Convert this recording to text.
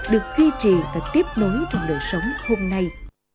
được duy trì và tiếp nối trong đời sống hôm nay